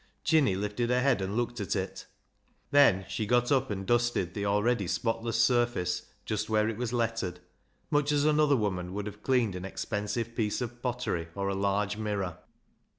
Jinny lifted her head and looked at it. Then she got up and dusted the already spotless surface just where it was lettered, much as another woman would ha\e THE MEMORY OF THE JUST 215 cleaned an expensive piece of pottery or a large mirror.